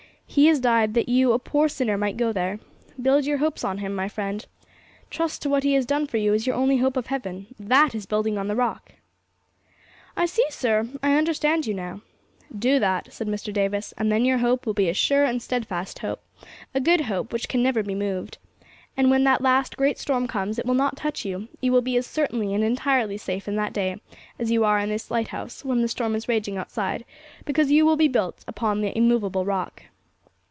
He has died that you, a poor sinner, might go there. Build your hopes on Him, my friend. Trust to what He has done for you as your only hope of heaven that is building on the Rock!' 'I see, sir; I understand you now.' 'Do that,' said Mr. Davis, 'and then your hope will be a sure and steadfast hope, a good hope which can never be moved. And when the last great storm comes, it will not touch you; you will be as certainly and as entirely safe in that day as you are in this lighthouse when the storm is raging outside, because you will be built upon the immovable Rock.'